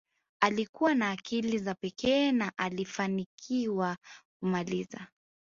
alikuwa na akili za pekee na alifanikiwa kumaliza